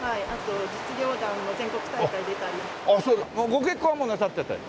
ご結婚はもうなさってたり？